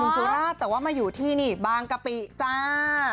สุราชแต่ว่ามาอยู่ที่นี่บางกะปิจ้า